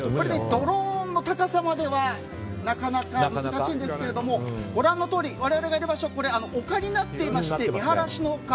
ドローンの高さまではなかなか難しいんですがご覧のとおり、我々がいる場所は丘になっていましてみはらしの丘。